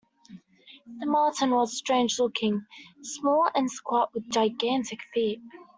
The Martian was strange-looking: small and squat with gigantic feet.